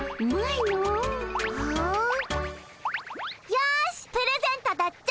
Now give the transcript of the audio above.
よしプレゼントだっちゃ。